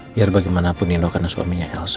biar bagaimanapun nino karena suaminya elsa